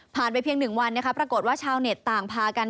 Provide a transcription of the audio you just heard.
ผ่านไปเพียงหนึ่งวันปรากฏว่าชาวเน็ตต่างพากัน